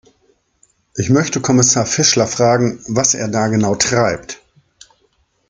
Ich möchte Kommissar Fischler fragen, was er da genau treibt.